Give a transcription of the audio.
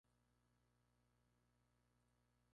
El primer dedo del pie no está muy reducido.